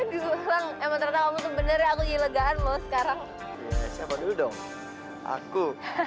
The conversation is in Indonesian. aduh emang emang kamu bener aku dilegahan loh sekarang aku